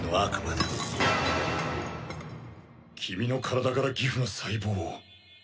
君の体からギフの細胞を。